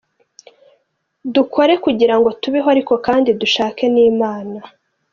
Dukore kugirango tubeho, ariko kandi dushake n’imana.